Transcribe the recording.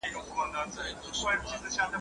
کم اصل چي کوم ځاى خوري، هلته خړي.